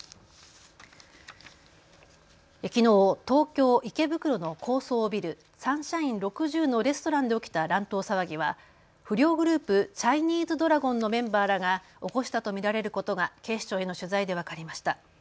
きのう東京池袋の高層ビル、サンシャイン６０のレストランで起きた乱闘騒ぎは不良グループ、チャイニーズドラゴンのメンバーらが起こしたと見られることが警視庁への取材で分かりました。